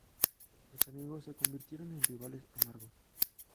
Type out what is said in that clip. Los amigos se convirtieron en rivales amargos.